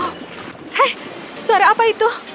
hei suara apa itu